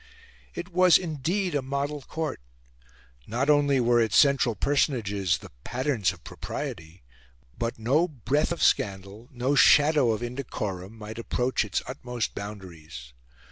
It was indeed a model Court. Not only were its central personages the patterns of propriety, but no breath of scandal, no shadow of indecorum, might approach its utmost boundaries.